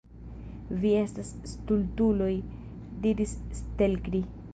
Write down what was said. Vi estas stultuloj, diris Stelkri.